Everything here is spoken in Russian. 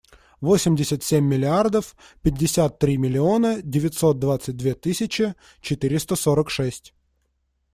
Восемьдесят семь миллиардов пятьдесят три миллиона девятьсот двадцать две тысячи четыреста сорок шесть.